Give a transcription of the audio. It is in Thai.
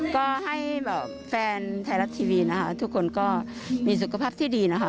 ก็ให้แบบแฟนไทยรัฐทีวีนะคะทุกคนก็มีสุขภาพที่ดีนะคะ